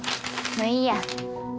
もういいや。